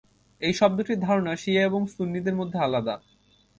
এই শব্দটির ধারণা শিয়া এবং সুন্নিদের মধ্যে আলাদা।